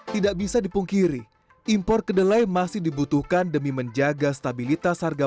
tidak bisa dipungkiri impor kedelai masih dibutuhkan demi menjaga stabilitas harga